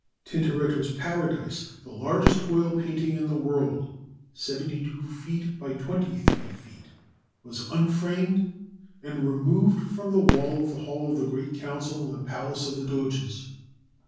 Tintoretto's "Paradise," the largest oil painting in the world (72 feet by 23 feet) was unframed and removed from the wall of the Hall of the Great Council in the Palace of the Doges.